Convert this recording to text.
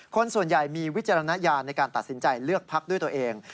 คนส่วนใหญ่มีวิจารณญาณในการตัดสินใจเลือกพักด้วยตัวเอง